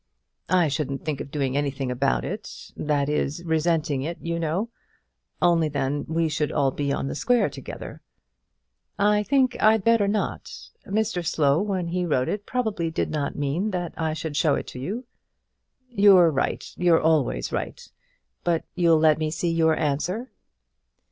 "I shouldn't think of doing anything about it; that is, resenting it, you know. Only then we should all be on the square together." "I think I'd better not. Mr Slow, when he wrote it, probably did not mean that I should show it to you." "You're right; you're always right. But you'll let me see your answer."